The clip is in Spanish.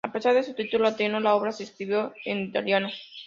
A pesar de su título latino, la obra se escribió en italiano.